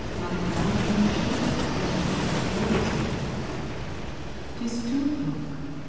Like laughing children calling, ^^AU is well!" 'Tis two o'clock